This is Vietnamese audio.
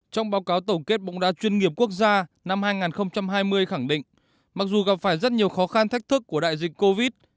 trong báo cáo tổng kết bóng đá chuyên nghiệp quốc gia năm hai nghìn hai mươi khẳng định mặc dù gặp phải rất nhiều khó khăn thách thức của đại dịch covid